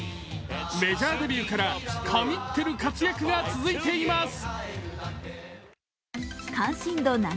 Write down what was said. メジャーデビューから神ってる活躍が続いています。